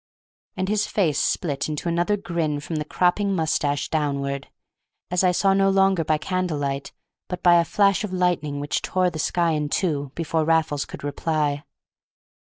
And his face split in another grin from the cropped moustache downward, as I saw no longer by candlelight but by a flash of lightning which tore the sky in two before Raffles could reply.